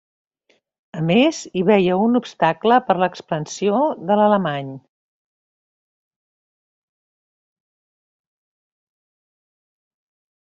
A més, hi veia un obstacle per l'expansió de l'alemany.